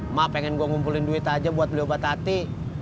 emak pengen gue ngumpulin duit aja buat beli obat hati